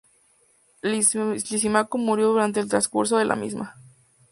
Lisímaco murió durante el transcurso de la misma.